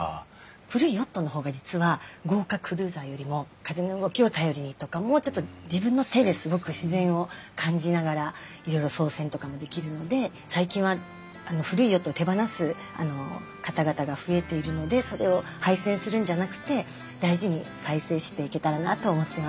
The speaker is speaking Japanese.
古いヨットの方が実は豪華クルーザーよりも風の動きを頼りにとかもうちょっと自分の手ですごく自然を感じながらいろいろ操船とかもできるので最近は古いヨットを手放す方々が増えているのでそれを廃船するんじゃなくて大事に再生していけたらなと思っています。